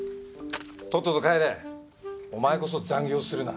とっとと帰れお前こそ残業するな。